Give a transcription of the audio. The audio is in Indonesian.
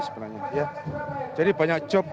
sebenarnya ya jadi banyak job